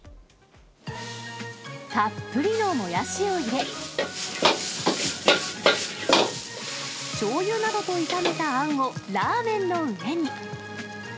たっぷりのもやしを入れ、しょうゆなどと炒めたあんを、ラーメンの上に。